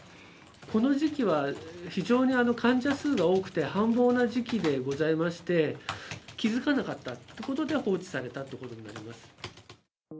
この時期は、非常に患者数が多くて繁忙な時期でございまして、気付かなかったということで、放置されたことになります。